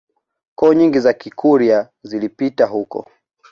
Koo nyingi za Kikurya zilipita huko